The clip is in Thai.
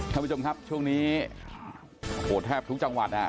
ท่านผู้ชมครับช่วงนี้โหแทบทุกจังหวัดอ่ะ